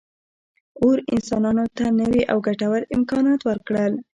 اور انسانانو ته نوي او ګټور امکانات ورکړل.